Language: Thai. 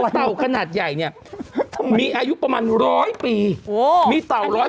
เต่าขนาดใหญ่เนี่ย